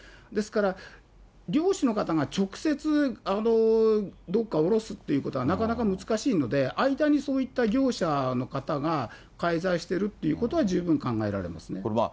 ですから、漁師の方が直接、どこか卸すということは、なかなか難しいので、間にそういった業者の方が介在しているということは十分考えられますね。